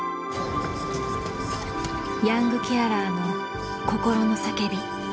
ヤングケアラーの心の叫び。